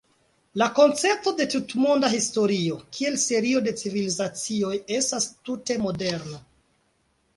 La koncepto de tutmonda historio kiel serio de "civilizacioj" estas tute moderna.